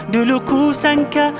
dulu ku sangka